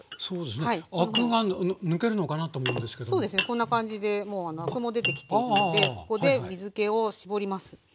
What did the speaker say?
こんな感じでもうアクも出てきているのでここで水けを絞ります。